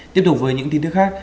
tiếp tục với những tin thứ khác